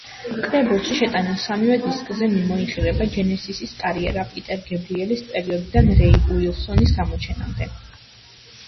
კრებულში შეტანილ სამივე დისკზე მიმოიხილება ჯენესისის კარიერა პიტერ გებრიელის პერიოდიდან რეი უილსონის გამოჩენამდე.